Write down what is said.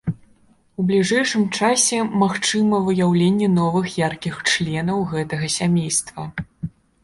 У бліжэйшым часе магчыма выяўленне новых яркіх членаў гэтага сямейства.